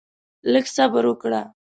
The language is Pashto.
لږ صبر وکړه؛